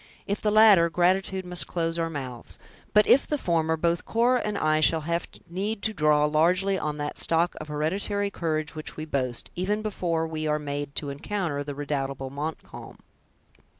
If the latter, gratitude must close our mouths; but if the former, both Cora and I shall have need to draw largely on that stock of hereditary courage which we boast, even before we are made to encounter the redoubtable Montcalm."